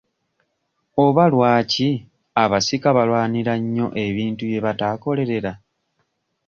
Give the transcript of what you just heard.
Oba lwaki abasika balwanira nnyo ebintu bye bataakolerera?